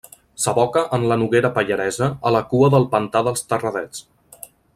S'aboca en la Noguera Pallaresa a la cua del pantà dels Terradets.